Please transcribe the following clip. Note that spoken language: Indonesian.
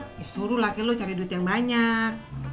masuk laki lo cari duit yang banyak